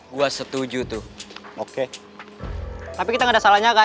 gue setuju tuh